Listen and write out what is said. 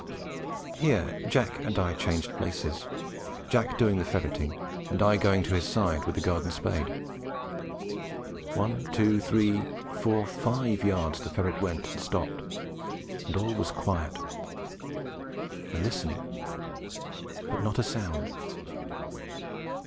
Here Jack and I changed places, Jack doing the ferreting, and I going to his side with the garden spade. One, two, three, four, five yards the ferret went and stopped, and all was quiet. I listen, but not a sound.